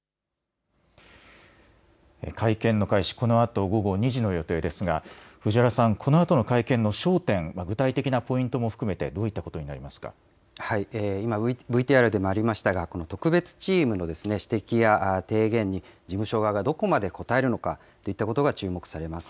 会見の開始、このあと午後２時の予定ですが、藤原さん、このあとの会見の焦点、具体的なポイントも含めて、今、ＶＴＲでもありましたが、この特別チームの指摘や提言に、事務所側がどこまで答えるのかといったことが注目されます。